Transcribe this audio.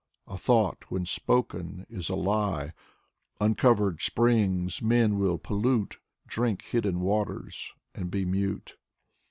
A thought when spoken is a lie. Uncovered springs men will pollute, — Drink hidden waters, and be mute.